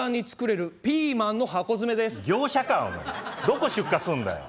どこ出荷すんだよ。